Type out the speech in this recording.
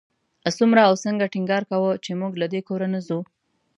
څومره او څنګه ټینګار کاوه چې موږ له دې کوره نه ځو.